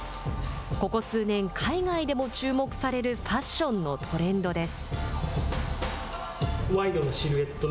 ここ数年、海外でも注目されるファッションのトレンドです。